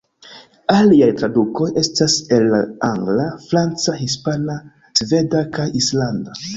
Aliaj tradukoj estas el la angla, franca, hispana, sveda kaj islanda.